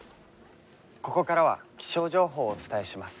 「ここからは気象情報をお伝えします」。